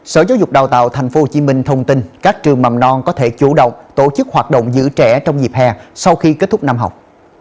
sở giáo dục đào tạo tp hcm thông tin các trường mầm non có thể chủ động tổ chức hoạt động giữ trẻ trong dịp hè sau khi kết thúc năm học